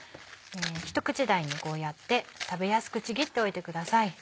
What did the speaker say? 一口大にこうやって食べやすくちぎっておいてください。